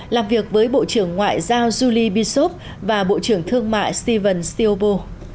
làm việc với bộ trưởng ngoại giao julie bishop và bộ trưởng thương mại steven stilbo